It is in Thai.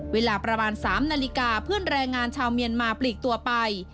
เวลาประมาณ๓นาฬิกาเพื่อนแรงงานชาวเมียนมาปลีกตัวไป